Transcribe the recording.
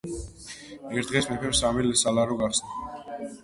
ერთ დღეს მეფემ სამი სალარო გახსნა,